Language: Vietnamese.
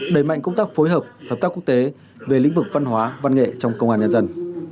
đẩy mạnh công tác phối hợp hợp tác quốc tế về lĩnh vực văn hóa văn nghệ trong công an nhân dân